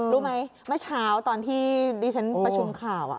รู้ไหมเมื่อเช้าตอนที่ดิฉันประชุมข่าว